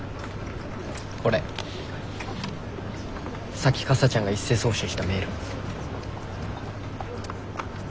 さっきかさちゃんが一斉送信したメール。